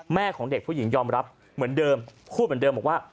ของเด็กผู้หญิงยอมรับเหมือนเดิมพูดเหมือนเดิมบอกว่า